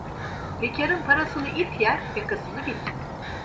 Bekarın parasını it yer, yakasını bit.